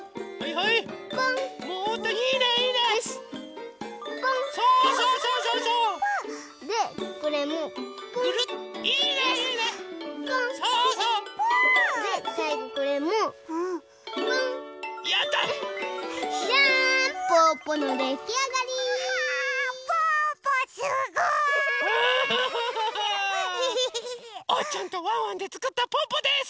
おうちゃんとワンワンでつくったぽぅぽです！